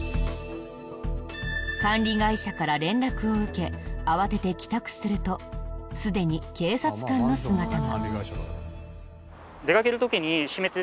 管理会社から連絡を受け慌てて帰宅するとすでに警察官の姿が。